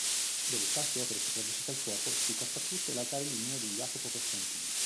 Delle scarse opere sopravvissute al fuoco, spicca fra tutte l'altare ligneo di Jacopo Costantini.